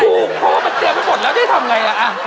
อุ้ยเพราะว่ามันเตรียมให้หมดแล้วจะได้ทำไงล่ะอ่ะ